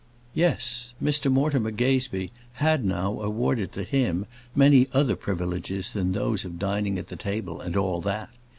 Yes; Mr Mortimer Gazebee had now awarded to him many other privileges than those of dining at the table, and all that.